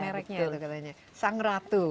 mereknya itu katanya sang ratu